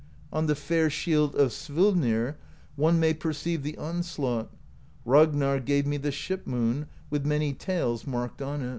On the fair shield of Svolnir One may perceive the onslaught; Ragnarr' gave me the Ship Moon, With many tales marked on it.